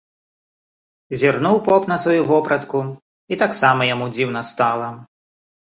Зірнуў поп на сваю вопратку, і таксама яму дзіўна стала.